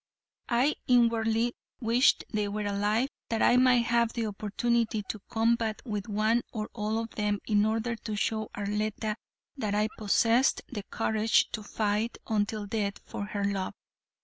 I inwardly wished they were alive that I might have an opportunity to combat with one or all of them in order to show Arletta that I possessed the courage to fight until death for her love.